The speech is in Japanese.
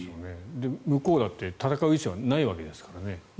向こうだって戦う意思はないわけですからね。